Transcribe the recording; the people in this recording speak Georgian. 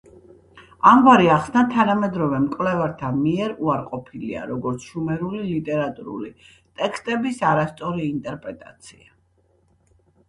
ამგვარი ახსნა თანამედროვე მკვლევართა მეირ უარყოფილია, როგორც შუმერული ლიტერატურული ტექსტების არასწორი ინტერპრეტაცია.